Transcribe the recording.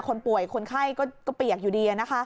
คนป่วยคนไข้ก็เปียกอยู่ดี